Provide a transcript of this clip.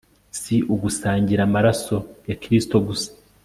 si ugusangira amaraso ya kristo gusa